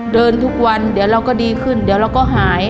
เดินทุกวันเดี๋ยวเราก็ดีขึ้นเดี๋ยวเราก็หาย